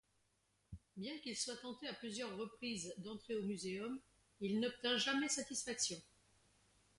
Bien qu’il soit tenté à plusieurs reprises d’entrer au Muséum, il n’obtint jamais satisfaction.